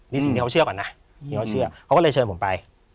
นี่สิ่งที่เขาเชื่อก่อนนะเขาก็เลยเชิญผมไป